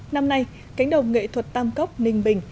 năm nay cánh đồng nghệ thuật tam cốc ninh bình